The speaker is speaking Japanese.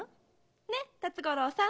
ねっ辰五郎さん。